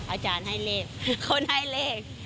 อาจารย์ให้เลขคนให้เลข